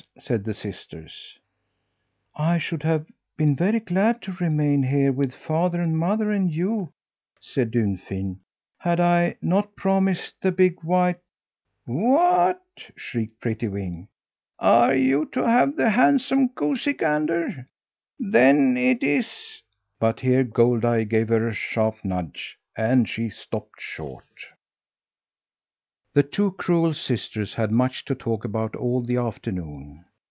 said the sisters. "I should have been very glad to remain here with father and mother and you," said Dunfin, "had I not promised the big, white " "What!" shrieked Prettywing. "Are you to have the handsome goosey gander? Then it is " But here Goldeye gave her a sharp nudge, and she stopped short. The two cruel sisters had much to talk about all the afternoon.